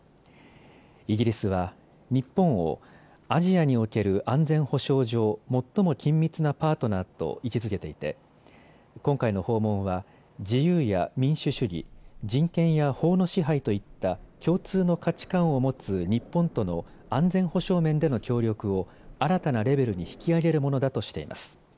イギリスは日本をアジアにおける安全保障上、最も緊密なパートナーと位置づけていて今回の訪問は自由や民主主義、人権や法の支配といった共通の価値観を持つ日本との安全保障面での協力を新たなレベルに引き上げるものだとしています。